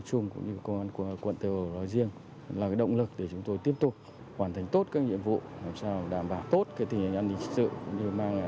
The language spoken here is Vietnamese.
các công an nói chung cũng như công an của quận tây hồ nói riêng là cái động lực để chúng tôi tiếp tục hoàn thành tốt các nhiệm vụ làm sao đảm bảo tốt cái tình hình an ninh sự cũng như mang lại cuộc sống bình yên cho người dân